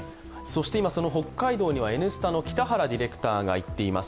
今、その北海道には「Ｎスタ」の北原ディレクターが行っています。